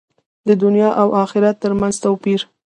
د دنیا او آخرت تر منځ توپیر دی.